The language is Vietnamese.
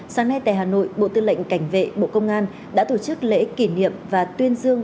sáng nay tại hà nội bộ tư lệnh cảnh vệ bộ công an đã tổ chức lễ kỷ niệm và tuyên dương